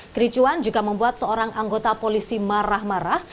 kericuan juga membuat seorang anggota polisi marah marah